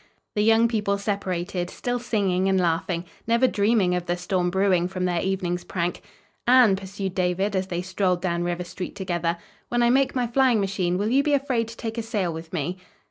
The young people separated, still singing and laughing; never dreaming of the storm brewing from their evening's prank. "Anne," pursued David, as they strolled down River Street together, "when I make my flying machine will you be afraid to take a sail with me?"